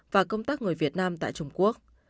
và công tác người việt nam tại trung quốc